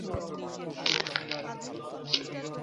আমরা অ্যাম্বুলেন্সে ধাক্কা মারবো না।